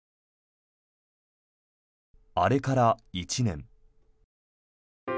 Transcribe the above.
あれから１年。